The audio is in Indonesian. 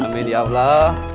amin ya allah